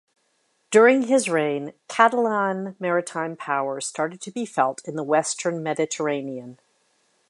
During his reign Catalan maritime power started to be felt in the western Mediterranean.